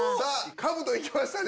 かぶといきましたね。